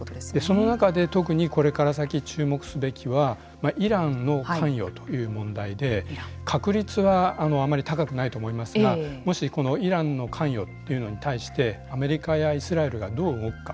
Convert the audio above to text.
その中で特にこれから先注目すべきはイランの関与という問題で確率はあまり高くないと思いますがもし、このイランの関与ということに対してアメリカやイスラエルがどう動くか。